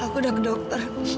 aku udah ke dokter